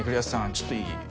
ちょっといい？